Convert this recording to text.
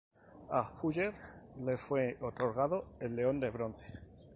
A Fuller le fue otorgado el León de Bronce.